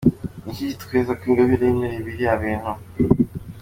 Ni iki kitwemeza ko Ingabire yemeye biriya bintu?